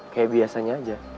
kayak biasanya aja